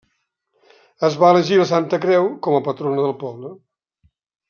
Es va elegir la Santa Creu com a patrona del poble.